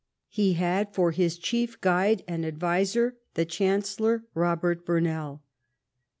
He had for his chief guide and adviser the chancellor Kobert Burnell.